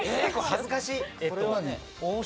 恥ずかしい。